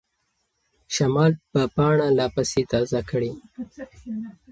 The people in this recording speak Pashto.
شمال به پاڼه لا پسې تازه کړي.